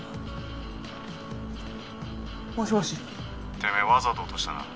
てめぇわざと落としたな。